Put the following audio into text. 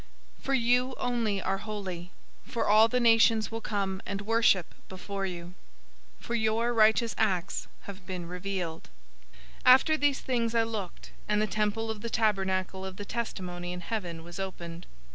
For you only are holy. For all the nations will come and worship before you. For your righteous acts have been revealed." 015:005 After these things I looked, and the temple of the tabernacle of the testimony in heaven was opened.